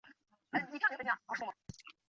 幼名为珠宫。